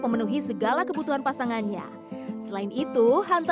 dan siap bertanggung jawab